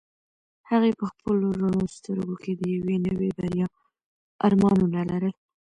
هغې په خپلو رڼو سترګو کې د یوې نوې بریا ارمانونه لرل.